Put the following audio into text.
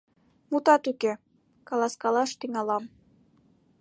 — Мутат уке, каласкалаш тӱҥалам!